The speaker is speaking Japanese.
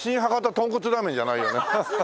とんこつラーメンじゃないよね。